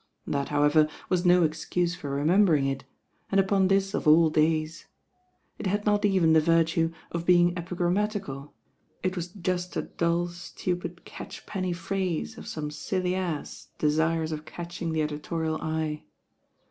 That, however, was no excuse for remembering it, and upon this of all days. It had not even the virtue of being epi grammatical; it was just a dull, stupid catchpenny phrase of some silly ass desirous of catching the editorial eye.